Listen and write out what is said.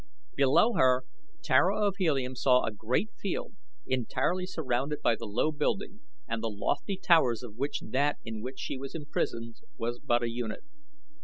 Below her Tara of Helium saw a great field entirely surrounded by the low building, and the lofty towers of which that in which she was imprisoned was but a unit.